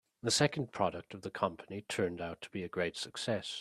The second product of the company turned out to be a great success.